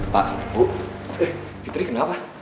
pak bu eh fitri kenapa